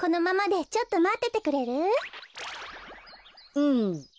うん。